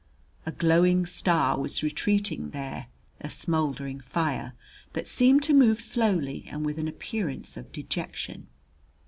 A glowing star was retreating there a smouldering fire, that seemed to move slowly and with an appearance of dejection.